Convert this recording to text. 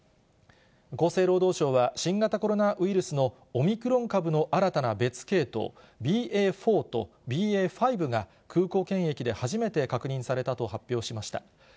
厚生労働省は、新型コロナウイルスのオミクロン株の新たな別系統、ＢＡ．４とＢＡ．５が空港検疫で初めて確認されたと発表しました。